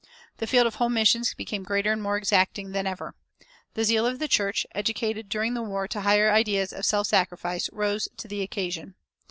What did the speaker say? The field of home missions became greater and more exacting than ever. The zeal of the church, educated during the war to higher ideas of self sacrifice, rose to the occasion.